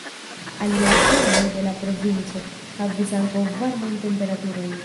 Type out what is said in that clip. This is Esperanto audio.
Aliaj urboj de la provinco, havis ankaŭ varmajn temperaturojn.